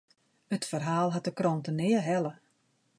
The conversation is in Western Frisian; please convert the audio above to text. It ferhaal hat de krante nea helle.